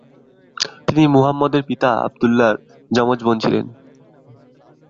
তিনি মুহাম্মদের পিতা আবদুল্লাহর জমজ বোন ছিলেন।